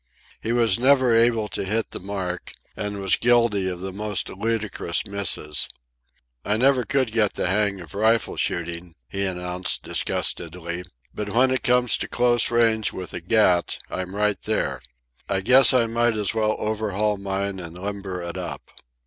He was never able to hit the mark, and was guilty of the most ludicrous misses. "I never could get the hang of rifle shooting," he announced disgustedly, "but when it comes to close range with a gat I'm right there. I guess I might as well overhaul mine and limber it up."